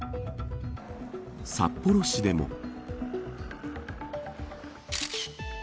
札幌市でも。